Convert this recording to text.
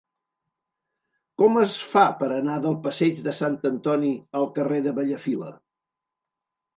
Com es fa per anar del passeig de Sant Antoni al carrer de Bellafila?